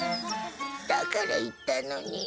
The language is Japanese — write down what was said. だから言ったのに。